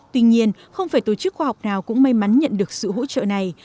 tuy nhiên không phải tổ chức khoa học nào cũng may mắn nhận được sự hỗ trợ này